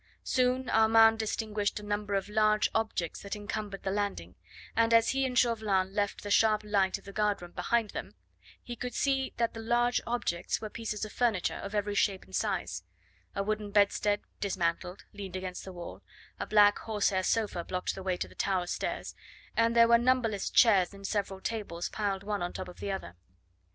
Soon Armand distinguished a number of large objects that encumbered the landing, and as he and Chauvelin left the sharp light of the guard room behind them, he could see that the large objects were pieces of furniture of every shape and size; a wooden bedstead dismantled leaned against the wall, a black horsehair sofa blocked the way to the tower stairs, and there were numberless chairs and several tables piled one on the top of the other.